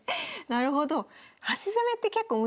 なるほど。